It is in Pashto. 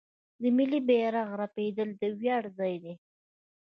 د ملي بیرغ رپیدل د ویاړ ځای دی.